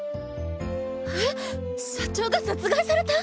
えっ！？社長が殺害された！？